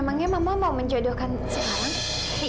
memangnya mama mau menjodohkan sekarang